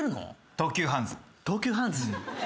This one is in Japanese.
東急ハンズ？